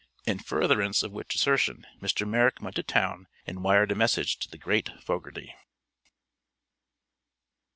In furtherance of which assertion, Mr. Merrick went to town and wired a message to the great Fogerty.